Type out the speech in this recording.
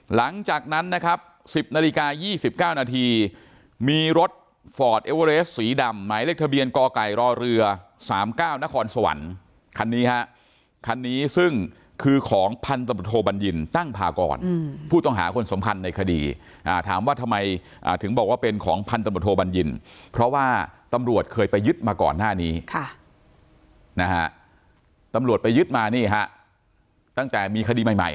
หลังจากนั้นนะครับ๑๐นาฬิกา๒๙นาทีมีรถฟอร์ดเอเวอเรสสีดำหมายเลขทะเบียนกไก่รอเรือ๓๙นครสวรรค์คันนี้ฮะคันนี้ซึ่งคือของพันธบทโทบัญญินตั้งพากรผู้ต้องหาคนสมพันธ์ในคดีถามว่าทำไมถึงบอกว่าเป็นของพันธบทโทบัญญินเพราะว่าตำรวจเคยไปยึดมาก่อนหน้านี้นะฮะตำรวจไปยึดมานี่ฮะตั้งแต่มีคดีใหม่